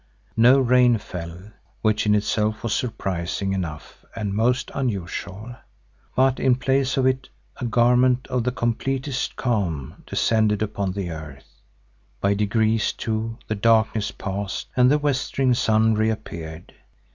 No rain fell, which in itself was surprising enough and most unusual, but in place of it a garment of the completest calm descended upon the earth. By degrees, too, the darkness passed and the westering sun reappeared.